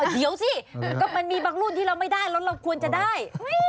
เดี๋ยวสิก็มันมีบางรุ่นที่เราไม่ได้แล้วเราควรจะได้